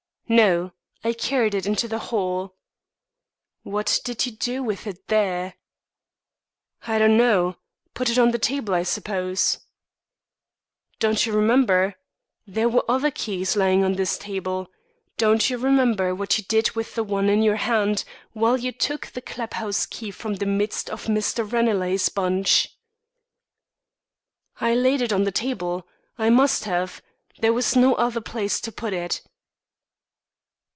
"No, I carried it into the hall." "What did you do with it there?" "I don't know. Put it on the table, I suppose." "Don't you remember? There were other keys lying on this table. Don't you remember what you did with the one in your hand while you took the club house key from the midst of Mr. Ranelagh's bunch?" "I laid it on the table. I must have there was no other place to put it."